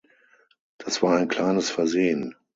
Das war ein kleines Versehen.